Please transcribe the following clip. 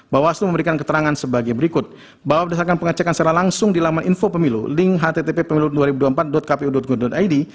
tujuh bahwa hasil membedakan keterangan sebagai berikut bahwa berdasarkan pengajakan secara langsung di alaman info pemiliu link http pemilupemilup dua ribu dua puluh empat kpu gun id